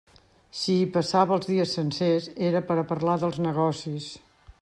Si hi passava els dies sencers, era per a parlar dels negocis.